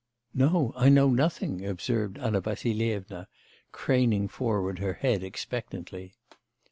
'No, I know nothing,' observed Anna Vassilyevna, craning forward her head expectantly.